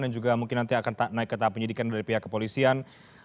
dan juga mungkin nanti akan naik ke tahap penyelidikan dari pihak kepolisian